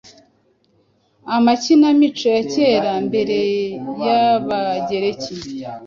amakinamico ya kera mbereyAbagereki